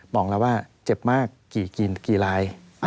บอกแล้วว่าเจ็บมากกี่ราย